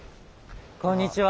こんにちは。